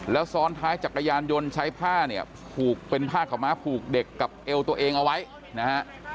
แล้วซ้อนท้ายจักรยานยนต์ใช้ผ้าเนี่ยผูกเป็นผ้าขาวม้าผูกเด็กกับเอวตัวเองเอาไว้นะฮะ